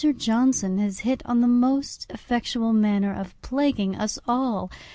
Johnson has hit on the most effectual manner of plaguing us all.